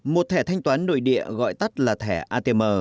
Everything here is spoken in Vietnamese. một thẻ thanh toán nội địa gọi tắt là thẻ atm